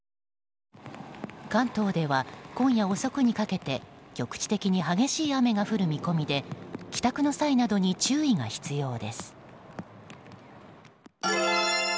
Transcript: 関東では今夜遅くにかけて局地的に激しい雨が降る見込みで帰宅の際などに注意が必要です。